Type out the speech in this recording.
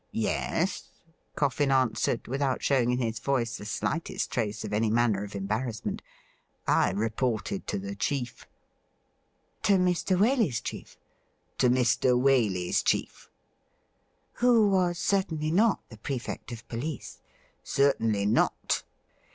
' Yes,' Coffin answered, without showing in his voice the slightest trace of any manner of embarrassment. 'I re ported to the chief.' 'To Mr. Waley's chief.?' ' To Mr. Waley's chief.' ' Who was certainly not the Prefect of Police >''' Certainly not.'